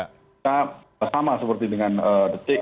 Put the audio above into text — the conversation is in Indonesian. kita sama seperti dengan detik